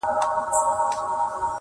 یار ګیله من له دې بازاره وځم,